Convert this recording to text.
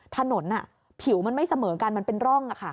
ถนนผิวมันไม่เสมอกันมันเป็นร่อง